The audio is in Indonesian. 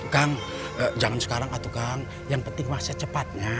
kang jangan sekarang atuh kang yang penting masa cepatnya